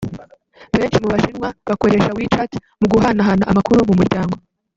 Benshi mu bashinwa bakoresha WeChat mu guhanahana amakuru mu muryango